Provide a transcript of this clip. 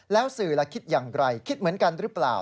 แล้วสื่อละคิดอย่างไรคิดเหมือนกันหรือเปล่า